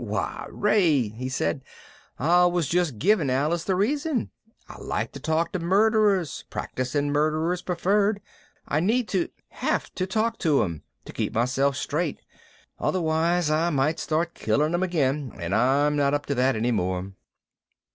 "Why, Ray," he said, "I was just giving Alice the reason. I like to talk to murderers, practicing murderers preferred. I need to have to talk to 'em, to keep myself straight. Otherwise I might start killing again and I'm not up to that any more."